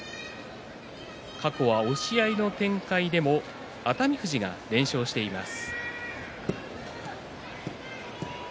過去は押し合いの展開でも熱海富士が連勝しています。